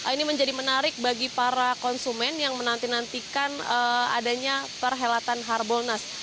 ini menjadi menarik bagi para konsumen yang menantikan adanya perhelatan harbonas